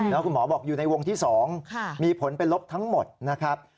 แล้วคุณหมอบอกอยู่ในวงที่๒มีผลเป็นลบทั้งหมดนะครับ